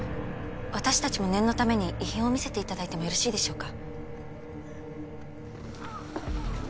私たちも念のために遺品を見せて頂いてもよろしいでしょうか？